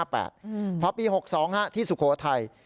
พอปี๖๒ที่สุโขทัย